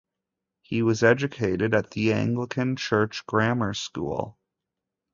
He was educated at the Anglican Church Grammar School.